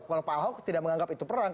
kalau pak ahok tidak menganggap itu perang